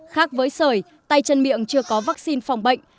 khác với sởi tay chân miệng chưa có vaccine phòng bệnh